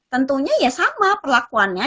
tentunya ya sama perlakuannya